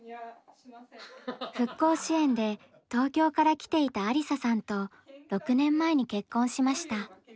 復興支援で東京から来ていたありささんと６年前に結婚しました。